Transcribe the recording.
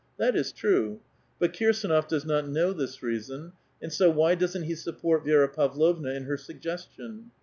That is C^rue ; but Kirsdnof does not know tliis reason, and so why c^oesn't he support Vi^ra Pavlovna in her suggestion?